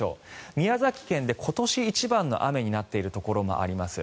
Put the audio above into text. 宮崎県で今年一番の雨になっているところもあります。